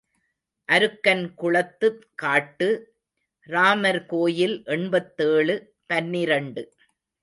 அருக்கன் குளத்து காட்டு ராமர் கோயில் எண்பத்தேழு பனிரண்டு .